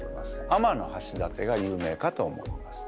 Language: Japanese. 天橋立が有名かと思います。